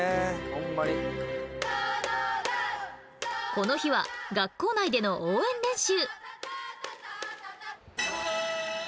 この日は学校内での応援練習。